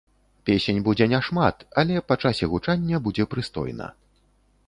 Песень будзе не шмат, але па часе гучання будзе прыстойна.